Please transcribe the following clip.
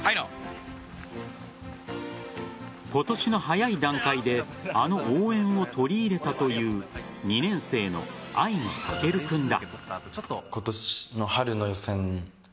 今年の早い段階であの応援を取り入れたという２年生の相野虎翔君だ。